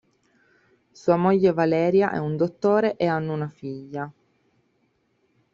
Sua moglie Valeria e un dottore e hanno una figlia.